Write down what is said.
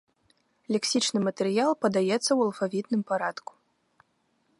Лексічны матэрыял падаецца ў алфавітным парадку.